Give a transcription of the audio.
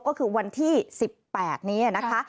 ก็คือวันที่๑๘นี้นะคะ